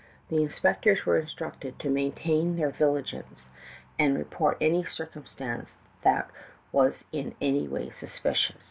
The inspectors were instructed to maintain their vigilance and report any circumstance that was in any way suspicious.